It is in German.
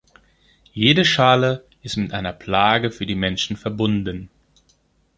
Jede Schale ist mit einer Plage für die Menschen verbunden.